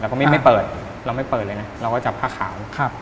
ก็ไม่เปิดเราไม่เปิดเลยนะเราก็จับผ้าขาวครับ